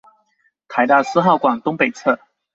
臺大四號館東北側